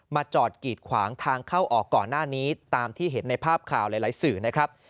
จอดกีดขวางทางเข้าออกก่อนหน้านี้ตามที่เห็นในภาพข่าวหลายสื่อนะครับ